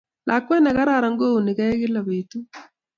lakwet negararan kouunige kila betut